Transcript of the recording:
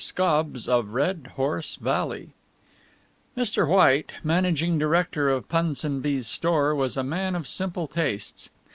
SCOBBS OF RED HORSE VALLEY Mr. White, managing director of Punsonby's Store, was a man of simple tastes.